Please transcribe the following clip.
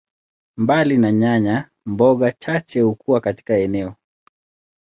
Mbali na nyanya, mboga chache hukua katika eneo.